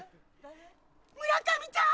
村上ちゃん！